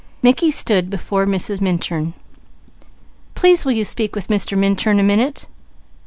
Mickey stood before Mrs. Minturn. "Please will you speak with Mr. Minturn a minute?"